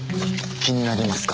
気になりますか？